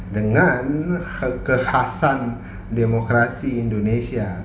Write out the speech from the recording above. dengan kekhasan demokrasi indonesia